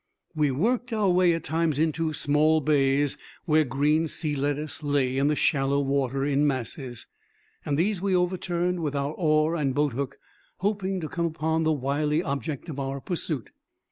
We worked our way at times into small bays where green sea lettuce lay in the shallow water in masses. These we overturned with our oar and boat hook, hoping to come upon the wily object of our pursuit.